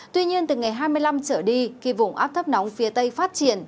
tuy nhiên từ ngày hai mươi năm trở đi khi vùng áp thấp nóng phía tây phát triển